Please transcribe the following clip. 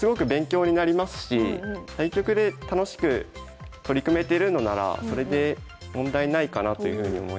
でも対局で楽しく取り組めてるのならそれで問題ないかなというふうに思います。